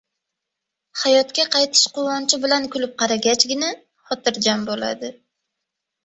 hayotga qaytish quvonchi bilan kulib qaragachgina, xotirjam boʻladi.